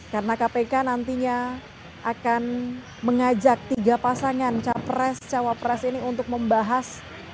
karena kpk nantinya akan mengajak tiga pasangan capres cawapres ini untuk membahas